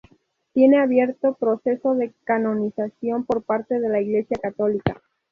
Tiene abierto proceso de canonización por parte de la Iglesia católica.